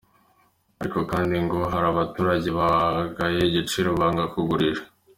Ariko kandi ngo hari abaturage bagaye igiciro banga kugurisha.